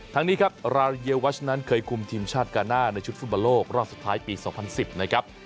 ทั้งนี้ครับราเยวัชนั้นเคยคุมทีมชาติกาหน้าในชุดฟุตบอลโลกรอบสุดท้ายปี๒๐๑๐นะครับ